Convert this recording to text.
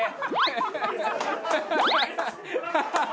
ハハハハ！